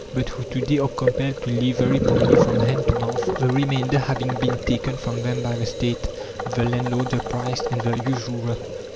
but who to day are compelled to live very poorly, from hand to mouth, the remainder having been taken from them by the State, the landlord, the priest, and the usurer.